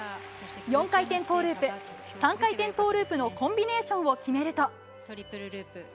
４回転トーループ、３回転トーループのコンビネーションを決めると。